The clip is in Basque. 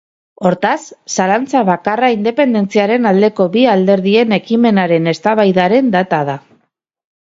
Hortaz, zalantza bakarra independentziaren aldeko bi alderdien ekimenaren eztabaidaren data da.